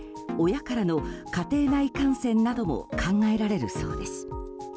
親からの家庭内感染なども考えられるそうです。